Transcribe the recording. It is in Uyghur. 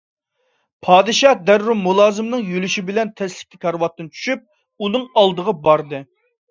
پادىشاھ دەررۇ مۇلازىملىرىنىڭ يۆلىشى بىلەن تەسلىكتە كارىۋاتتىن چۈشۈپ ئۇنىڭ ئالدىغا باردى.